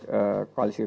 atau ada coros baru di dpr